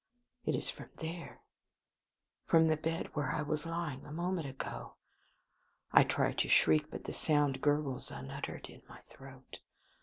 Ah h! It is from there from the bed where I was lying a moment ago! ... I try to shriek, but the sound gurgles unuttered in my throat.